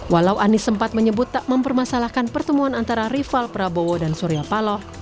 walau anies sempat menyebut tak mempermasalahkan pertemuan antara rival prabowo dan surya paloh